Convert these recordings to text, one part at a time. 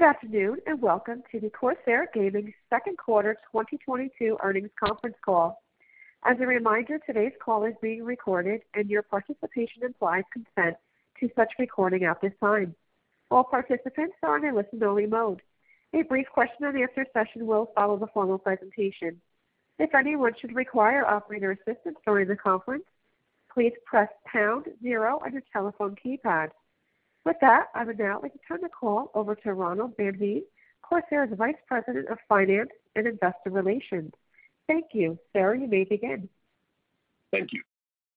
Good afternoon, and welcome to the Corsair Gaming Second Quarter 2022 earnings Conference call. As a reminder, today's call is being recorded and your participation implies consent to such recording at this time. All participants are in listen only mode. A brief question and answer session will follow the formal presentation. If anyone should require operator assistance during the conference, please press pound zero on your telephone keypad. With that, I would now like to turn the call over to Ronald van Veen, Corsair's Vice President of Finance and Investor Relations. Thank you. Sir, you may begin. Thank you.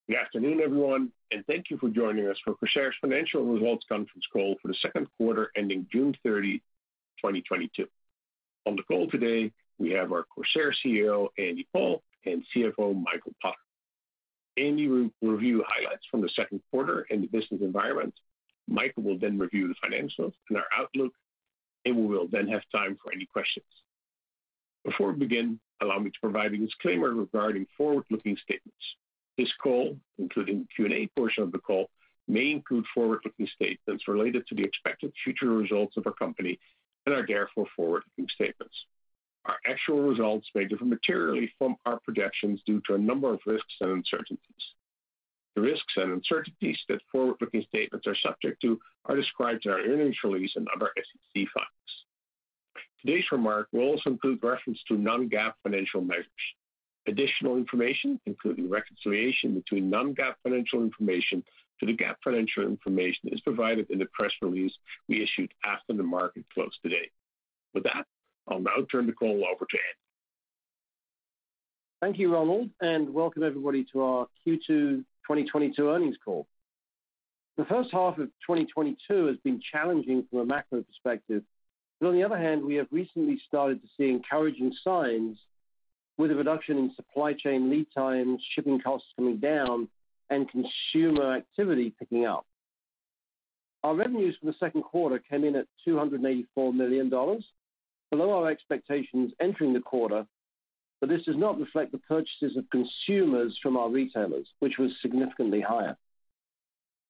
Good afternoon, everyone, and thank you for joining us for Corsair's financial results conference call for the second quarter ending June 30, 2022. On the call today we have our Corsair CEO, Andy Paul, and CFO, Michael Potter. Andy will review highlights from the second quarter and the business environment. Michael will then review the financials and our outlook, and we will then have time for any questions. Before we begin, allow me to provide a disclaimer regarding forward-looking statements. This call, including the Q&A portion of the call, may include forward-looking statements related to the expected future results of our company and are therefore forward-looking statements. Our actual results may differ materially from our projections due to a number of risks and uncertainties. The risks and uncertainties that forward-looking statements are subject to are described in our earnings release and other SEC filings. Today's remarks will also include reference to non-GAAP financial measures. Additional information, including reconciliation between non-GAAP financial information to the GAAP financial information, is provided in the press release we issued after the market close today. With that, I'll now turn the call over to Andy. Thank you, Ronald, and welcome everybody to our Q2 2022 earnings call. The first half of 2022 has been challenging from a macro perspective, but on the other hand, we have recently started to see encouraging signs with a reduction in supply chain lead times, shipping costs coming down and consumer activity picking up. Our revenues for the second quarter came in at $284 million, below our expectations entering the quarter, but this does not reflect the purchases of consumers from our retailers, which was significantly higher.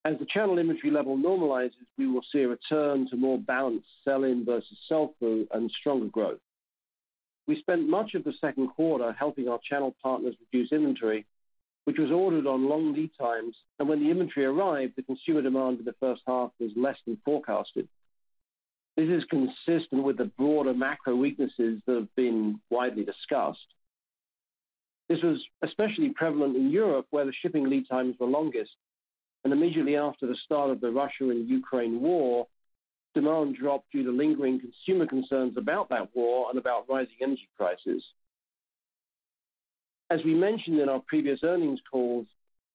As the channel inventory level normalizes, we will see a return to more balanced sell-in versus sell-through and stronger growth. We spent much of the second quarter helping our channel partners reduce inventory, which was ordered on long lead times, and when the inventory arrived, the consumer demand in the first half was less than forecasted. This is consistent with the broader macro weaknesses that have been widely discussed. This was especially prevalent in Europe, where the shipping lead time is the longest, and immediately after the start of the Russia and Ukraine war, demand dropped due to lingering consumer concerns about that war and about rising energy prices. As we mentioned in our previous earnings calls,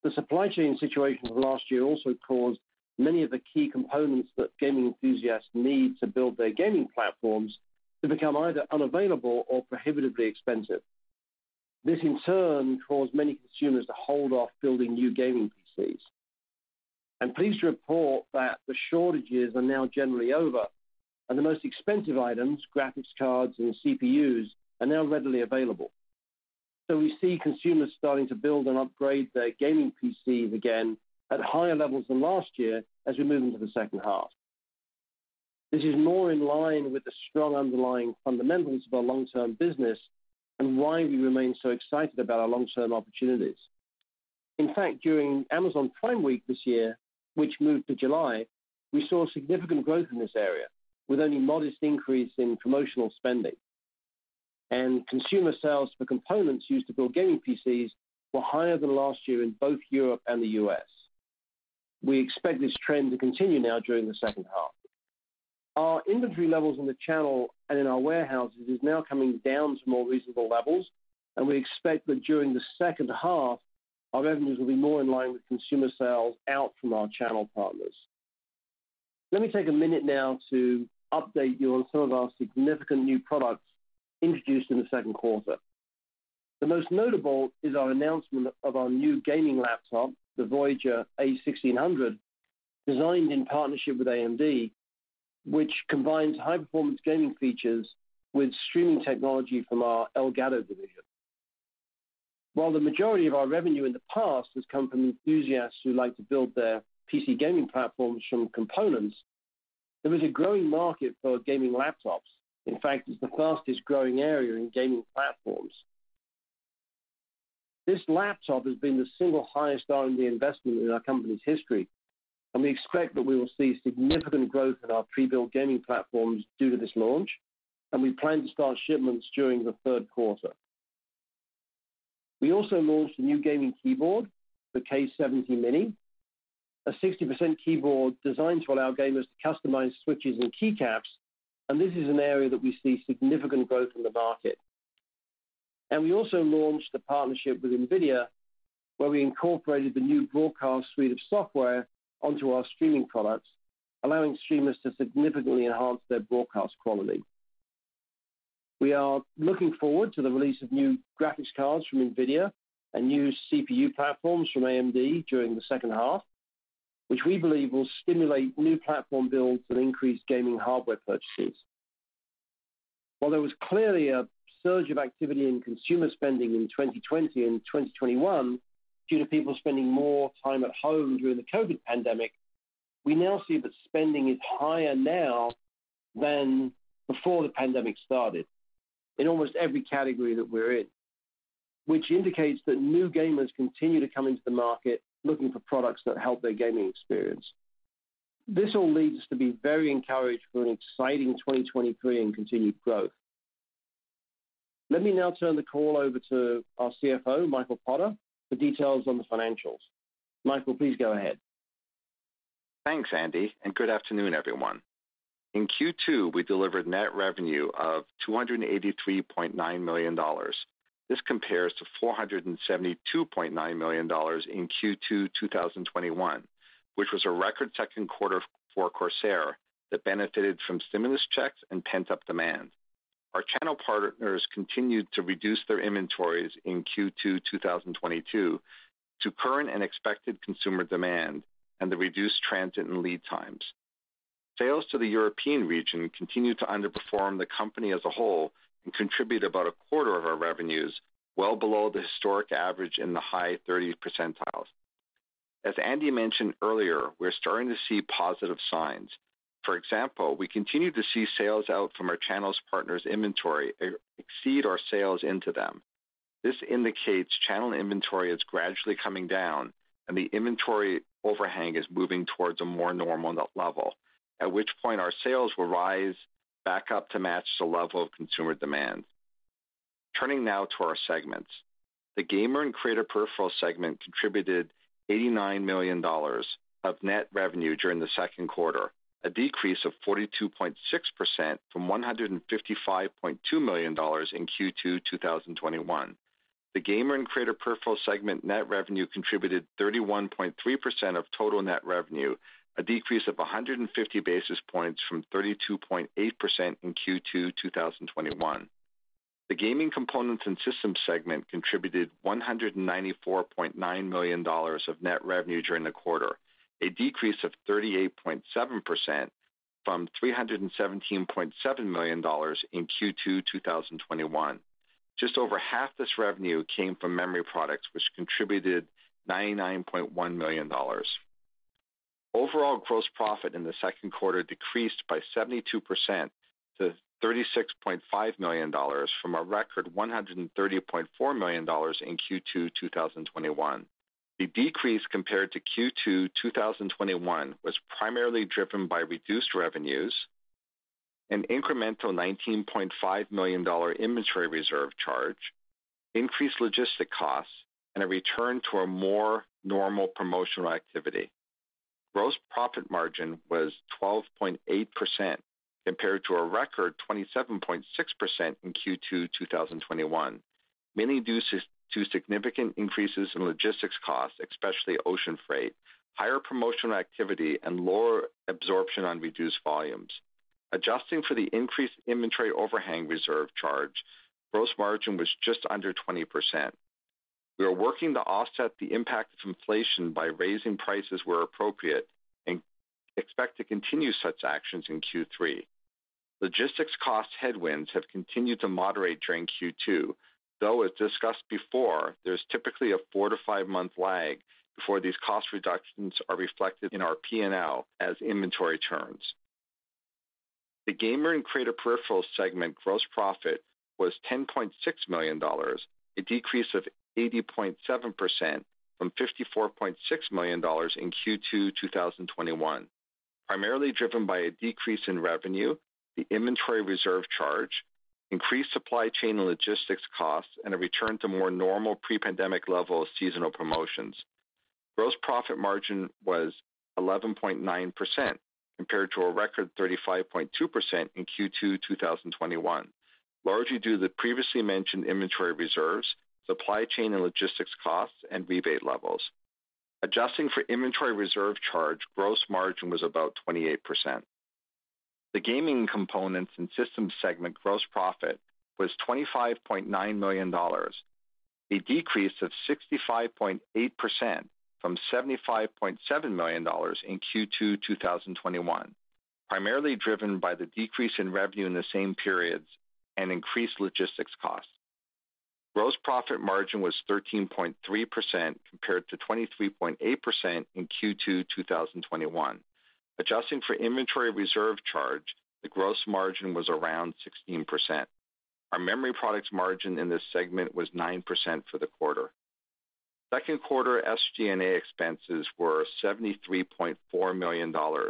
the supply chain situation of last year also caused many of the key components that gaming enthusiasts need to build their gaming platforms to become either unavailable or prohibitively expensive. This in turn caused many consumers to hold off building new gaming PC. I'm pleased to report that the shortages are now generally over, and the most expensive items, graphics cards and CPU are now readily available. We see consumers starting to build and upgrade their gaming PC again at higher levels than last year as we move into the second half. This is more in line with the strong underlying fundamentals of our long-term business and why we remain so excited about our long-term opportunities. In fact, during Amazon Prime Week this year, which moved to July, we saw significant growth in this area, with only modest increase in promotional spending. Consumer sales for components used to build gaming PC were higher than last year in both Europe and the US. We expect this trend to continue now during the second half. Our inventory levels in the channel and in our warehouses is now coming down to more reasonable levels, and we expect that during the second half, our revenues will be more in line with consumer sales out from our channel partners. Let me take a minute now to update you on some of our significant new products introduced in the second quarter. The most notable is our announcement of our new gaming laptop, the Voyager a1600, designed in partnership with AMD, which combines high-performance gaming features with streaming technology from our Elgato division. While the majority of our revenue in the past has come from enthusiasts who like to build their PC gaming platforms from components, there is a growing market for gaming laptops. In fact, it's the fastest growing area in gaming platforms. This laptop has been the single highest R&D investment in our company's history, and we expect that we will see significant growth in our pre-built gaming platforms due to this launch, and we plan to start shipments during the third quarter. We also launched a new gaming keyboard, the K70 Mini, a 60% keyboard designed to allow gamers to customize switches and keycaps, and this is an area that we see significant growth in the market. We also launched a partnership with NVIDIA, where we incorporated the new broadcast suite of software onto our streaming products, allowing streamers to significantly enhance their broadcast quality. We are looking forward to the release of new graphics cards from NVIDIA and new CPU platforms from AMD during the second half, which we believe will stimulate new platform builds and increase gaming hardware purchases. While there was clearly a surge of activity in consumer spending in 2020 and 2021 due to people spending more time at home during the COVID pandemic, we now see that spending is higher now than before the pandemic started in almost every category that we're in, which indicates that new gamers continue to come into the market looking for products that help their gaming experience. This all leads to be very encouraged for an exciting 2023 and continued growth. Let me now turn the call over to our CFO, Michael Potter, for details on the financials. Michael, please go ahead. Thanks, Andy, and good afternoon, everyone. In Q2, we delivered net revenue of $283.9 million. This compares to $472.9 million in Q2 2021, which was a record-setting quarter for Corsair that benefited from stimulus checks and pent-up demand. Our channel partners continued to reduce their inventories in Q2 2022 to current and expected consumer demand and the reduced transit and lead times. Sales to the European region continued to underperform the company as a whole and contribute about a quarter of our revenues, well below the historic average in the high 30%. As Andy mentioned earlier, we're starting to see positive signs. For example, we continue to see sales out from our channel partners' inventory exceed our sales into them. This indicates channel inventory is gradually coming down, and the inventory overhang is moving towards a more normal level, at which point our sales will rise back up to match the level of consumer demand. Turning now to our segments. The gamer and creator peripherals segment contributed $89 million of net revenue during the second quarter, a decrease of 42.6% to $155.2 million in Q2 2021. The gamer and creator peripherals segment net revenue contributed 31.3% of total net revenue, a decrease of 150 basis points from 32.8% in Q2 2021. The gaming components and systems segment contributed $194.9 million of net revenue during the quarter, a decrease of 38.7% from $317.7 million in Q2 2021. Just over half this revenue came from memory products, which contributed $99.1 million. Overall gross profit in the second quarter decreased by 72% to $36.5 million from a record $130.4 million in Q2 2021. The decrease compared to Q2 2021 was primarily driven by reduced revenues, an incremental $19.5 million inventory reserve charge, increased logistic costs, and a return to a more normal promotional activity. Gross profit margin was 12.8% compared to a record 27.6% in Q2 2021, mainly due to significant increases in logistics costs, especially ocean freight, higher promotional activity, and lower absorption on reduced volumes. Adjusting for the increased inventory overhang reserve charge, gross margin was just under 20%. We are working to offset the impact of inflation by raising prices where appropriate and expect to continue such actions in Q3. Logistics cost headwinds have continued to moderate during Q2, though as discussed before, there's typically a 4- to 5-month lag before these cost reductions are reflected in our P&L as inventory turns. The gamer and creator peripherals segment gross profit was $10.6 million, a decrease of 80.7% from $54.6 million in Q2 2021, primarily driven by a decrease in revenue, the inventory reserve charge, increased supply chain logistics costs, and a return to more normal pre-pandemic level of seasonal promotions. Gross profit margin was 11.9% compared to a record 35.2% in Q2 2021, largely due to the previously mentioned inventory reserves, supply chain and logistics costs, and rebate levels. Adjusting for inventory reserve charge, gross margin was about 28%. The gaming components and systems segment gross profit was $25.9 million, a decrease of 65.8% to $75.7 million in Q2 2021, primarily driven by the decrease in revenue in the same periods and increased logistics costs. Gross profit margin was 13.3% compared to 23.8% in Q2 2021. Adjusting for inventory reserve charge, the gross margin was around 16%. Our memory products margin in this segment was 9% for the quarter. Second quarter SG&A expenses were $73.4 million, a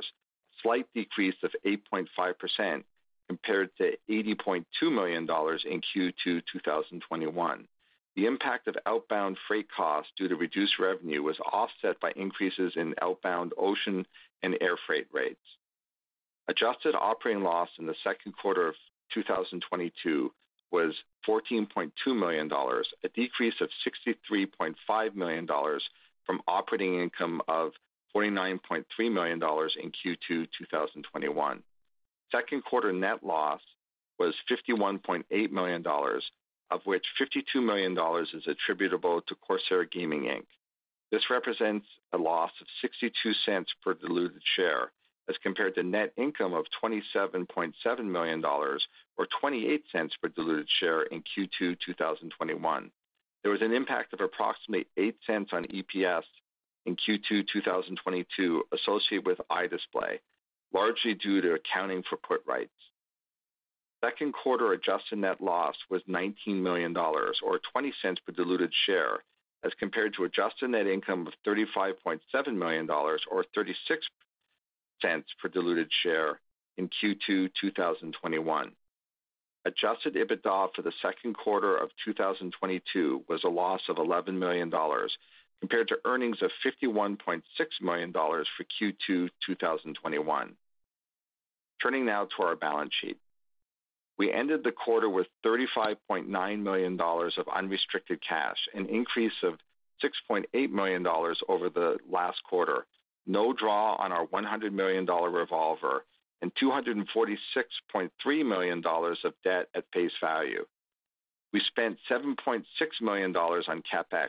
slight decrease of 8.5% compared to $80.2 million in Q2 2021. The impact of outbound freight costs due to reduced revenue was offset by increases in outbound ocean and air freight rates. Adjusted operating loss in the second quarter of 2022 was $14.2 million, a decrease of $63.5 million from operating income of $49.3 million in Q2 2021. Second quarter net loss was $51.8 million, of which $52 million is attributable to Corsair Gaming, Inc. This represents a loss of $0.62 per diluted share as compared to net income of $27.7 million to $0.28 per diluted share in Q2 2021. There was an impact of approximately $0.08 on EPS in Q2 2022 associated with iDisplay, largely due to accounting for put rights. Second quarter adjusted net loss was $19 million or $0.20 per diluted share as compared to adjusted net income of $35.7 million to $0.36 per diluted share in Q2 2021. Adjusted EBITDA for the second quarter of 2022 was a loss of $11 million compared to earnings of $51.6 million for Q2 2021. Turning now to our balance sheet. We ended the quarter with $35.9 million of unrestricted cash, an increase of $6.8 million over the last quarter, no draw on our $100 million revolver and $246.3 million of debt at face value. We spent $7.6 million on CapEx,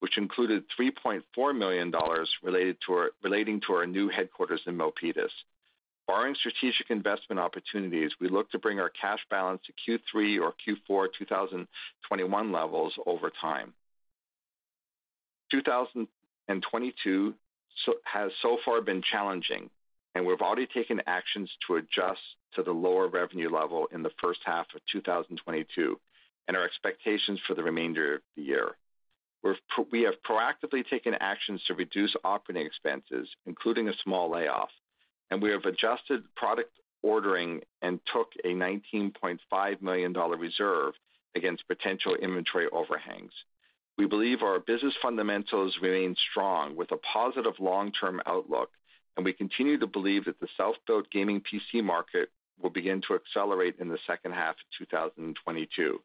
which included $3.4 million related to our new headquarters in Milpitas. Barring strategic investment opportunities, we look to bring our cash balance to Q3 or Q4 2021 levels over time. 2022 has so far been challenging, and we've already taken actions to adjust to the lower revenue level in the first half of 2022 and our expectations for the remainder of the year. We have proactively taken actions to reduce operating expenses, including a small layoff, and we have adjusted product ordering and took a $19.5 million reserve against potential inventory overhangs. We believe our business fundamentals remain strong with a positive long-term outlook, and we continue to believe that the self-built gaming PC market will begin to accelerate in the second half of 2022.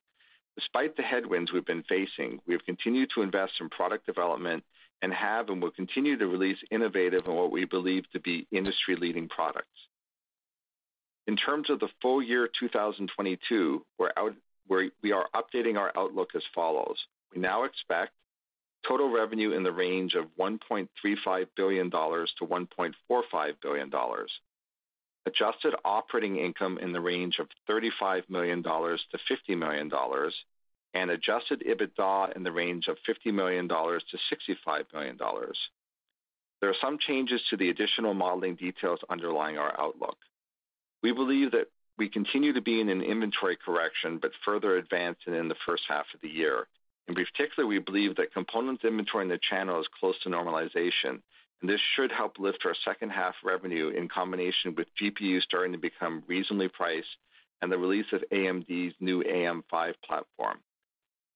Despite the headwinds we've been facing, we have continued to invest in product development and will continue to release innovative and what we believe to be industry-leading products. In terms of the full year 2022, we are updating our outlook as follows. We now expect total revenue in the range of $1.35 billion to $1.45 billion, adjusted operating income in the range of $35 million to $50 million, and adjusted EBITDA in the range of $50 million to $65 million. There are some changes to the additional modeling details underlying our outlook. We believe that we continue to be in an inventory correction, but further advanced than in the first half of the year. In particular, we believe that components inventory in the channel is close to normalization, and this should help lift our second half revenue in combination with GPU starting to become reasonably priced and the release of AMD new AM5 platform.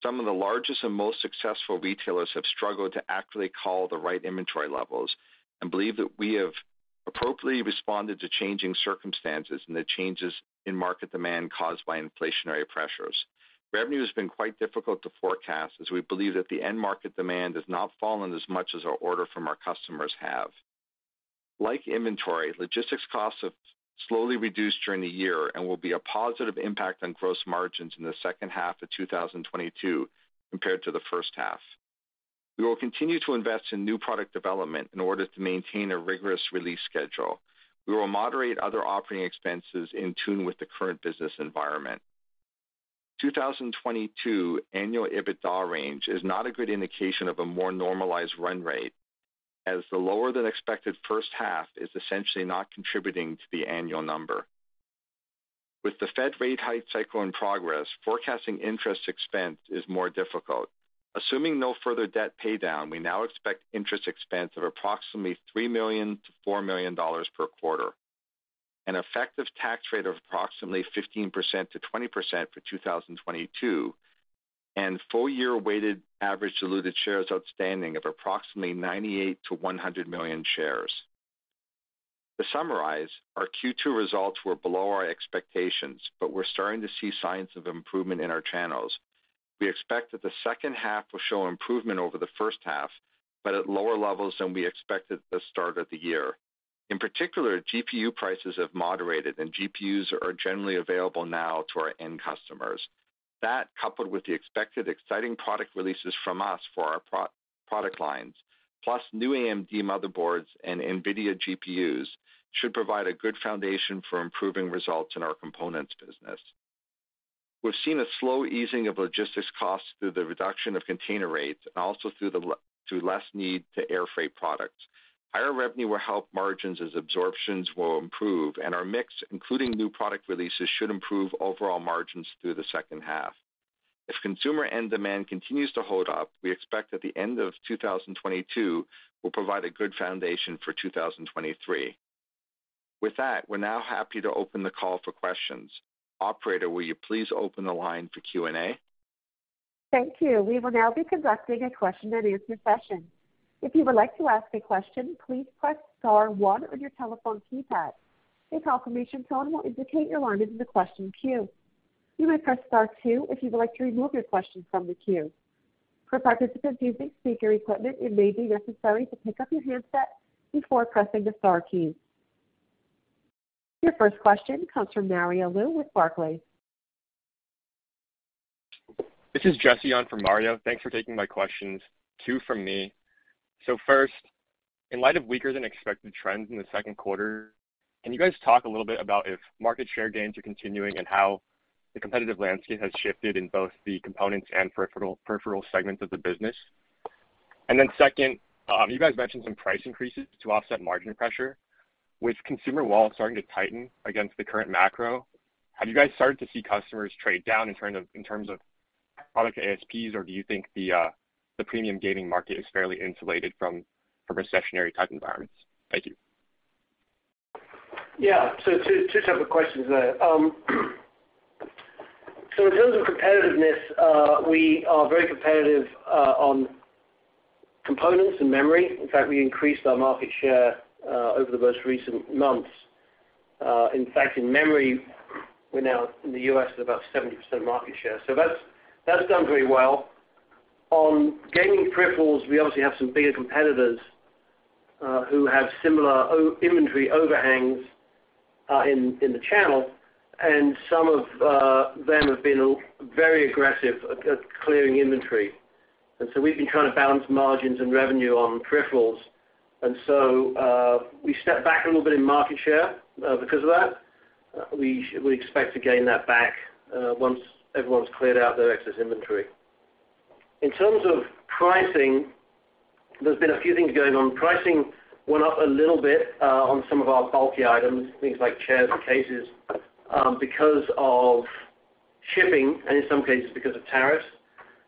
Some of the largest and most successful retailers have struggled to accurately call the right inventory levels and believe that we have appropriately responded to changing circumstances and the changes in market demand caused by inflationary pressures. Revenue has been quite difficult to forecast as we believe that the end market demand has not fallen as much as our order from our customers have. Like inventory, logistics costs have slowly reduced during the year and will be a positive impact on gross margins in the second half of 2022 compared to the first half. We will continue to invest in new product development in order to maintain a rigorous release schedule. We will moderate other operating expenses in tune with the current business environment. 2022 annual EBITDA range is not a good indication of a more normalized run rate as the lower than expected first half is essentially not contributing to the annual number. With the Fed rate hike cycle in progress, forecasting interest expense is more difficult. Assuming no further debt paydown, we now expect interest expense of approximately $3 million to $4 million per quarter, an effective tax rate of approximately 15% to 20% for 2022, and full year weighted average diluted shares outstanding of approximately 98 to 100 million shares. To summarize, our Q2 results were below our expectations, but we're starting to see signs of improvement in our channels. We expect that the second half will show improvement over the first half, but at lower levels than we expected at the start of the year. In particular, GPU prices have moderated and GPU are generally available now to our end customers. That, coupled with the expected exciting product releases from us for our pro-product lines, plus new AMD motherboards and NVIDIA GPU should provide a good foundation for improving results in our components business. We've seen a slow easing of logistics costs through the reduction of container rates and also through less need to air freight products. Higher revenue will help margins as absorptions will improve, and our mix, including new product releases, should improve overall margins through the second half. If consumer end demand continues to hold up, we expect that the end of 2022 will provide a good foundation for 2023. With that, we're now happy to open the call for questions. Operator, will you please open the line for Q&A? Thank you. We will now be conducting a question and answer session. If you would like to ask a question, please press star one on your telephone keypad. A confirmation tone will indicate your line is in the question queue. You may press star two if you would like to remove your question from the queue. For participants using speaker equipment, it may be necessary to pick up your handset before pressing the star key. Your first question comes from Mario Lu with Barclays. This is Jesse on for Mario. Thanks for taking my questions. Two from me. First, in light of weaker than expected trends in the second quarter, can you guys talk a little bit about if market share gains are continuing and how the competitive landscape has shifted in both the components and peripheral segments of the business? Second, you guys mentioned some price increases to offset margin pressure. With consumer wallets starting to tighten against the current macro, have you guys started to see customers trade down in terms of product ASP? or do you think the premium gaming market is fairly insulated from a recessionary type environments? Thank you. Yeah. Two types of questions there. In terms of competitiveness, we are very competitive on components and memory. In fact, we increased our market share over the most recent months. In fact, in memory, we're now in the US. with about 70% market share. That's done very well. On gaming peripherals, we obviously have some bigger competitors who have similar over-inventory overhangs in the channel, and some of them have been very aggressive at clearing inventory. We stepped back a little bit in market share because of that. We expect to gain that back once everyone's cleared out their excess inventory. In terms of pricing, there's been a few things going on. Pricing went up a little bit on some of our bulky items, things like chairs and cases, because of shipping and in some cases because of tariffs.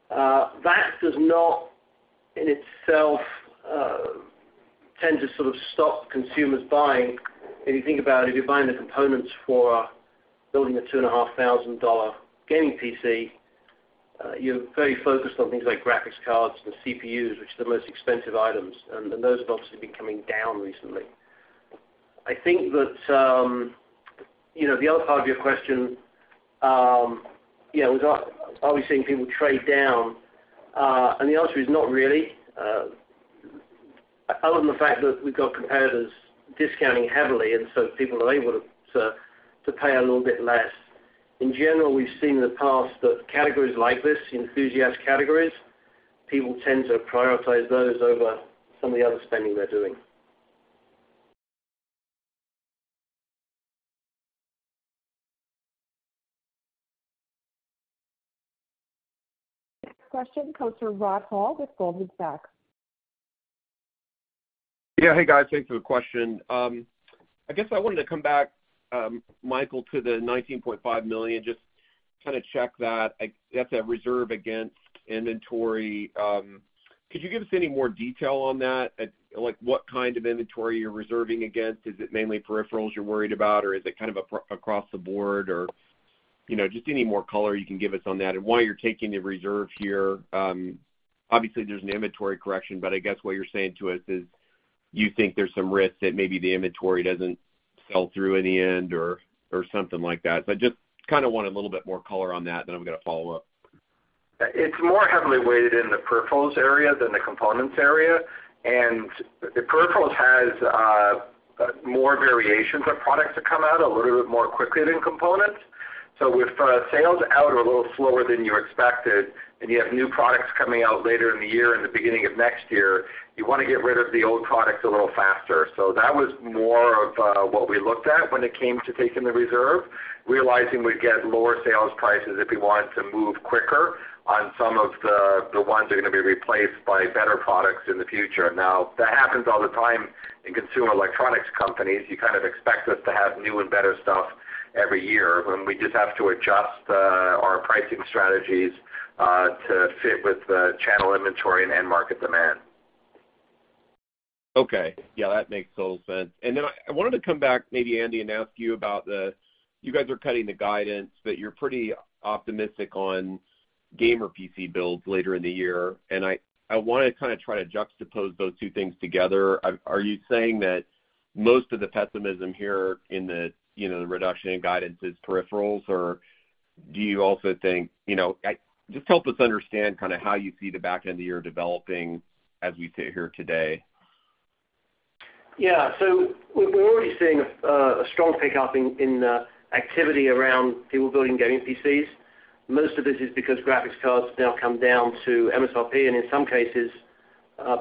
That does not in itself tend to sort of stop consumers buying. If you think about it, if you're buying the components for building a $2,500 gaming PC, you're very focused on things like graphics cards and CPU which are the most expensive items, and those have obviously been coming down recently. I think that, you know, the other part of your question, you know, are we seeing people trade down? The answer is not really. Other than the fact that we've got competitors discounting heavily, and so people are able to pay a little bit less. In general, we've seen in the past that categories like this, enthusiast categories, people tend to prioritize those over some of the other spending they're doing. Next question comes from Rod Hall with Goldman Sachs. Yeah. Hey, guys. Thanks for the question. I guess I wanted to come back, Michael, to the $19.5 million, just kind of check that. That's a reserve against inventory. Could you give us any more detail on that? Like what kind of inventory you're reserving against? Is it mainly peripherals you're worried about or is it kind of across the board? Or, you know, just any more color you can give us on that and why you're taking the reserve here. Obviously there's an inventory correction, but I guess what you're saying to us is you think there's some risk that maybe the inventory doesn't sell through in the end or something like that. I just kind of want a little bit more color on that, then I'm gonna follow up. It's more heavily weighted in the peripherals area than the components area. The peripherals has more variations of products that come out a little bit more quickly than components. If sales out are a little slower than you expected and you have new products coming out later in the year and the beginning of next year, you wanna get rid of the old products a little faster. That was more of what we looked at when it came to taking the reserve, realizing we'd get lower sales prices if we wanted to move quicker on some of the ones that are gonna be replaced by better products in the future. Now, that happens all the time in consumer electronics companies. You kind of expect us to have new and better stuff every year when we just have to adjust our pricing strategies to fit with the channel inventory and market demand. Okay. Yeah, that makes total sense. I wanted to come back maybe Andy and ask you about the... You guys are cutting the guidance, but you're pretty optimistic on gamer PC builds later in the year. I wanna kinda try to juxtapose those two things together. Are you saying that most of the pessimism here in the, you know, the reduction in guidance is peripherals or do you also think, you know... Just help us understand kinda how you see the back end of the year developing as we sit here today. Yeah. We're already seeing a strong pickup in activity around people building gaming PC. Most of this is because graphics cards have now come down to MSRP, and in some cases,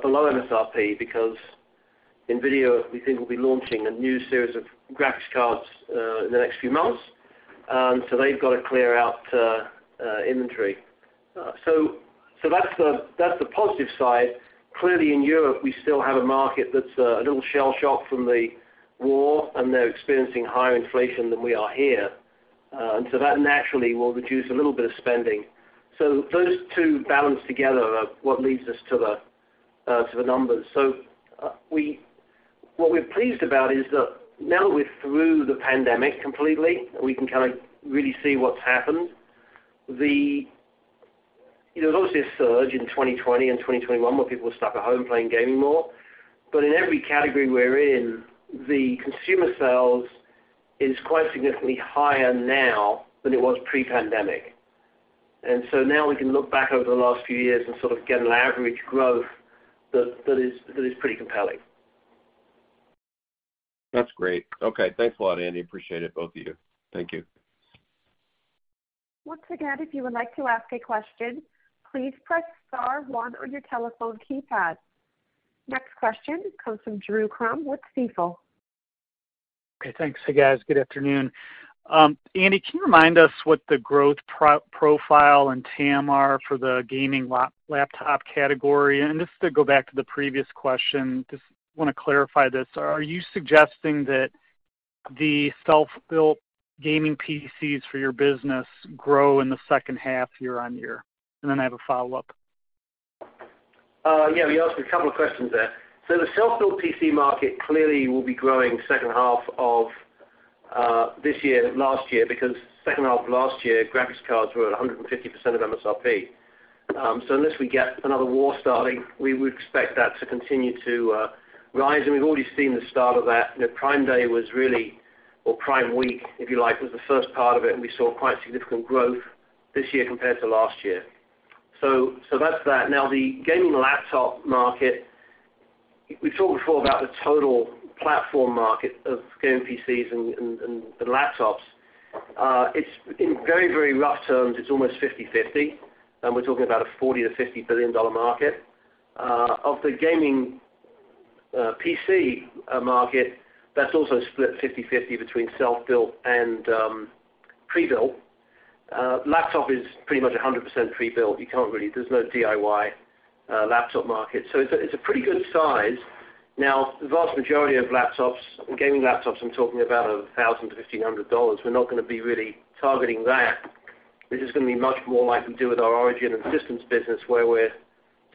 below MSRP because NVIDIA, we think will be launching a new series of graphics cards in the next few months. They've got to clear out inventory. That's the positive side. Clearly in Europe, we still have a market that's a little shell-shocked from the war, and they're experiencing higher inflation than we are here. That naturally will reduce a little bit of spending. Those two balanced together are what leads us to the numbers. What we're pleased about is that now we're through the pandemic completely, we can kind of really see what's happened. There was obviously a surge in 2020 and 2021 where people were stuck at home playing gaming more. In every category we're in, the consumer sales is quite significantly higher now than it was pre-pandemic. Now we can look back over the last few years and sort of get an average growth that is pretty compelling. That's great. Okay, thanks a lot, Andy. Appreciate it, both of you. Thank you. Once again, if you would like to ask a question, please press star one on your telephone keypad. Next question comes from Drew Crum with Stifel. Okay, thanks. Hey, guys. Good afternoon. Andy, can you remind us what the growth profile and TAM are for the gaming laptop category? Just to go back to the previous question, just wanna clarify this. Are you suggesting that the self-built gaming PC for your business grow in the second half year-on-year? I have a follow-up. Yeah, you asked a couple of questions there. The self-built PC market clearly will be growing second half of this year than last year because second half of last year, graphics cards were at 150% of MSRP. Unless we get another war starting, we would expect that to continue to rise. We've already seen the start of that. You know, Prime Day was really or Prime Week, if you like, was the first part of it, and we saw quite significant growth this year compared to last year. That's that. Now, the gaming laptop market, we talked before about the total platform market of gaming PC and laptops. It's in very rough terms almost 50/50, and we're talking about a $40 billion to $50 billion market. Of the gaming PC market, that's also split 50/50 between self-built and pre-built. Laptop is pretty much 100% pre-built. You can't really. There's no DIY laptop market. It's a pretty good size. Now, the vast majority of laptops, gaming laptops, I'm talking about $1,000 to $1,500, we're not gonna be really targeting that. This is gonna be much more like we do with our ORIGIN PC and Systems business, where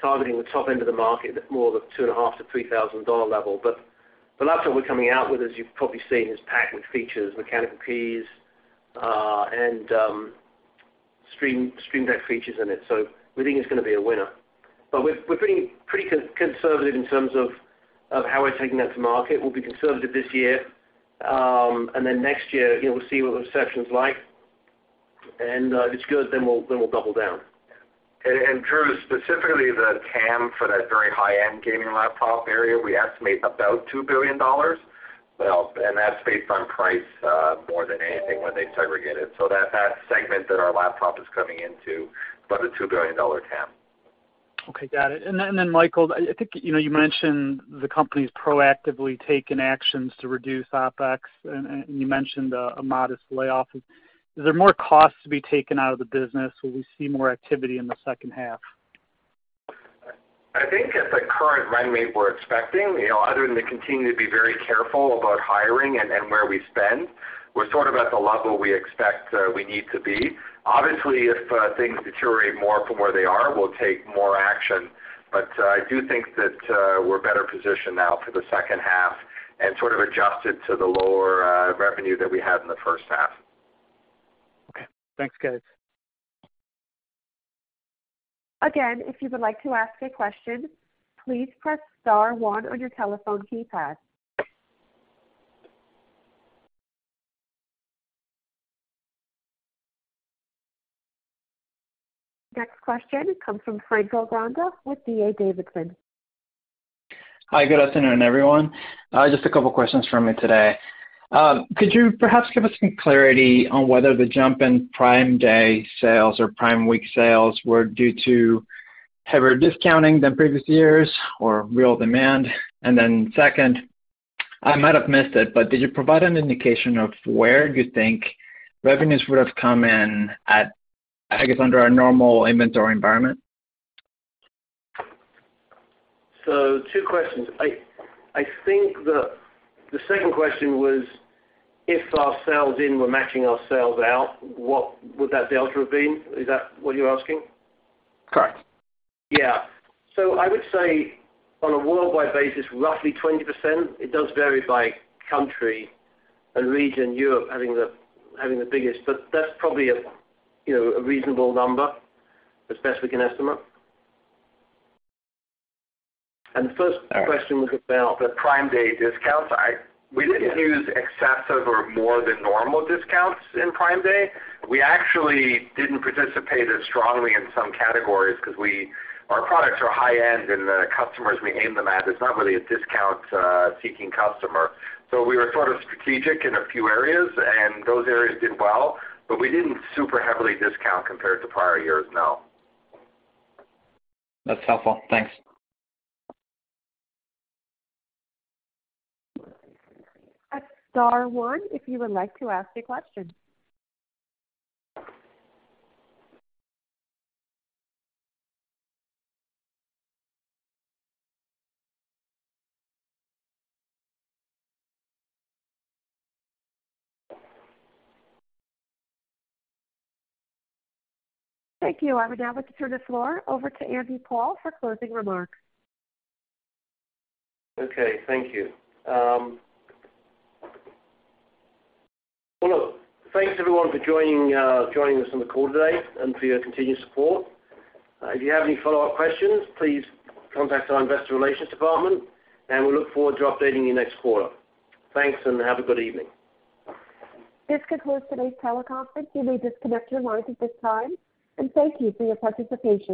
we're targeting the top end of the market at more the $2,500 to $3,000 level. The laptop we're coming out with, as you've probably seen, is packed with features, mechanical keys, and Stream Deck features in it. We think it's gonna be a winner. We're pretty conservative in terms of how we're taking that to market. We'll be conservative this year. Next year, you know, we'll see what the reception's like. If it's good, then we'll double down. Drew, specifically, the TAM for that very high-end gaming laptop area, we estimate about $2 billion. Well, that's based on price, more than anything when they segregate it. That segment that our laptop is coming into, about a $2 billion TAM. Okay, got it. Michael, I think, you know, you mentioned the company's proactively taken actions to reduce OpEx, and you mentioned a modest layoff. Is there more costs to be taken out of the business? Will we see more activity in the second half? I think at the current run rate we're expecting, you know, other than to continue to be very careful about hiring and where we spend, we're sort of at the level we expect, we need to be. Obviously, if things deteriorate more from where they are, we'll take more action. I do think that we're better positioned now for the second half and sort of adjusted to the lower revenue that we had in the first half. Okay. Thanks, guys. Again, if you would like to ask a question, please press star one on your telephone keypad. Next question comes from Franco Granda with D.A. Davidson. Hi, good afternoon, everyone. Just a couple questions for me today. Could you perhaps give us some clarity on whether the jump in Prime Day sales or Prime Week sales were due to heavier discounting than previous years or real demand? Second, I might have missed it, but did you provide an indication of where you think revenues would have come in at, I guess, under a normal inventory environment? Two questions. I think the second question was if our sales in were matching our sales out, what would that delta have been? Is that what you're asking? Correct. Yeah. I would say on a worldwide basis, roughly 20%. It does vary by country and region, Europe having the biggest, but that's probably a, you know, a reasonable number, as best we can estimate. The first question. All right. was about the Prime Day discounts. We didn't use excessive or more than normal discounts in Prime Day. We actually didn't participate as strongly in some categories because our products are high-end and the customers we aim them at is not really a discount seeking customer. We were sort of strategic in a few areas, and those areas did well, but we didn't super heavily discount compared to prior years, no. That's helpful. Thanks. Press star one if you would like to ask a question. Thank you. I would now like to turn the floor over to Andy Paul for closing remarks. Okay, thank you. Well, look, thanks everyone for joining us on the call today and for your continued support. If you have any follow-up questions, please contact our investor relations department and we look forward to updating you next quarter. Thanks, and have a good evening. This concludes today's teleconference. You may disconnect your lines at this time, and thank you for your participation.